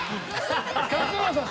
勝村さん